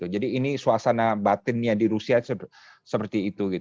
jadi ini suasana batinnya di rusia seperti itu